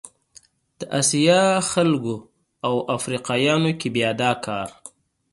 د اسیا خلکو او افریقایانو کې بیا دا کار